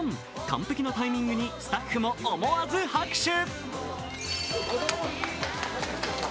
完璧なタイミングにスタッフも思わず拍手。